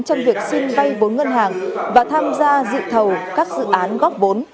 trong việc xin vay vốn ngân hàng và tham gia dự thầu các dự án góp vốn